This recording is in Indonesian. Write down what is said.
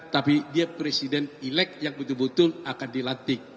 tapi dia presiden elek yang betul betul akan dilantik